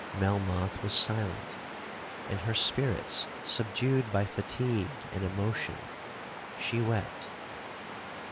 Melmoth was silent—and her spirits subdued by fatigue and emotion, she wept.